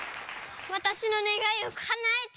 わたしのねがいをかなえて。